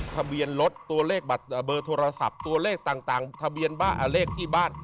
ทะเบียนรถตัวเลขเบอร์โทรศัพท์ตัวเลขต่างทะเบียนเลขที่บ้าน